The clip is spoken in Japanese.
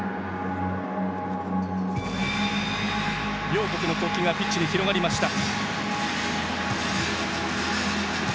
両国の国旗がピッチに広がりました。